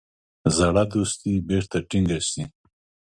زړه دوستي بیرته ټینګه سي.